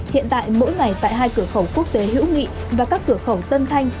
hiện tại mỗi ngày tại hai cửa khẩu quốc tế hữu nghị và các cửa khẩu tân thanh